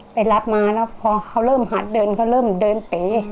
ไปรับมาแล้วพอเขาเริ่มหัดเดินเขาเริ่มเดินเป๋